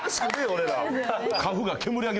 俺ら。